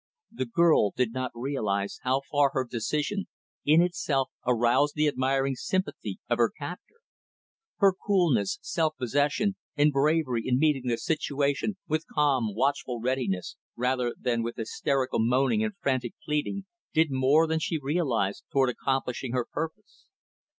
The girl did not realize how far her decision, in itself, aroused the admiring sympathy of her captor. Her coolness, self possession, and bravery in meeting the situation with calm, watchful readiness, rather than with hysterical moaning and frantic pleading, did more than she realized toward accomplishing her purpose.